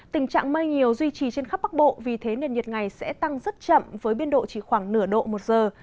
tình trạng mây nhiều duy trì trên khắp bắc bộ vì thế nền nhiệt ngày sẽ tăng rất chậm với biên độ chỉ khoảng nửa độ một giờ